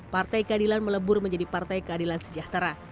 partai keadilan melebur menjadi partai keadilan sejahtera